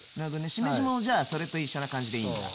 しめじもじゃあそれと一緒な感じでいいんだ？